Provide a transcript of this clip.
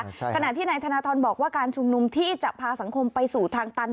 ขณะที่นายธนทรบอกว่าการชุมนุมที่จะพาสังคมไปสู่ทางตัน